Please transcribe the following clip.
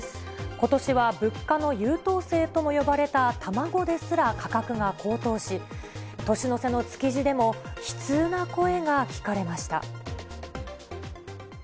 ことしは物価の優等生とも呼ばれた卵ですら価格が高騰し、年の瀬の築地でも、悲痛な声が聞かれました。